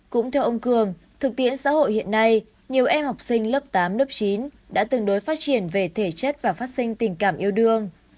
cũng theo ông cường thực tiễn xã hội hiện nay nhiều em học sinh lớp tám lớp chín đã tương đối phát triển về thể chất và phát sinh tình cảm yêu đương